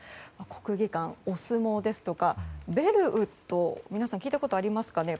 国技館、お相撲ですとかベルウッド、皆さん聞いたことありますかね。